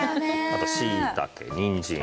あとしいたけにんじん